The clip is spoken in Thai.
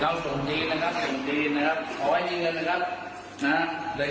เจ้าสมจีนนะครับเจ้าสมจีนนะครับเจ้าสมจีนนะครับ